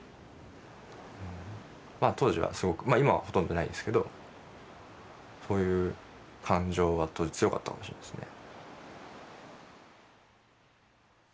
まあ当時はすごく今はほとんどないですけどそういう感情は当時強かったかもしれないですね。